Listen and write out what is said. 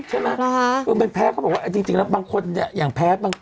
ใช่ไหมมันแพ้ก็บอกว่าจริงแล้วบางคนอย่างแพ้บาง